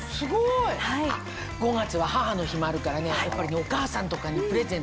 あっ５月は母の日もあるからねやっぱりねお母さんとかにプレゼント。